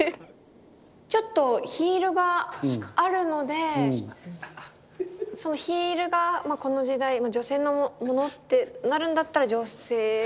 ちょっとヒールがあるのでヒールがこの時代女性のものってなるんだったら女性？